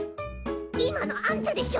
今のあんたでしょ！？